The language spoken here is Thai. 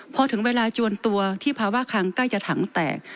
พอถึงเวลาจวนตัวที่ภาวะคังใกล้จะถังแตก